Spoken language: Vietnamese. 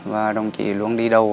và đồng chí luôn đi đầu